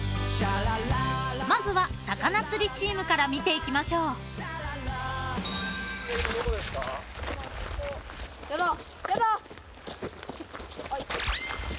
［まずは魚釣りチームから見ていきましょう］との君。